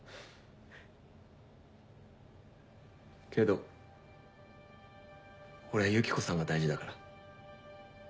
けど俺はユキコさんが大事だから。